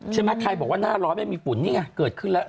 ใช่ไหมใครบอกว่าหน้าร้อนไม่มีฝุ่นนี่ไงเกิดขึ้นแล้ว